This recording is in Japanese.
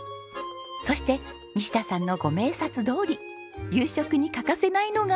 そして西田さんのご明察どおり夕食に欠かせないのが。